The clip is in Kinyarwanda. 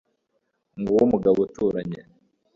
nguwo umugabo uturanye